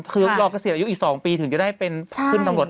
คือรอเกษียณอยู่อีก๒ปีถึงจะได้ขึ้นเป็นตำรวจ